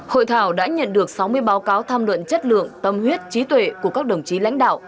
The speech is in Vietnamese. hội thảo đã nhận được sáu mươi báo cáo tham luận chất lượng tâm huyết trí tuệ của các đồng chí lãnh đạo